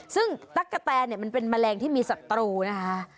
ซึ่งตั๊กกะแตนเนี่ยมันเป็นแมลงที่มีศัตรูนะคะ